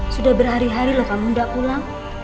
sudah berhari hari lo kamu enggak pulang